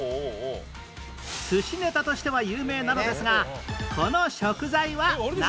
寿司ネタとしては有名なのですがこの食材はなんでしょう？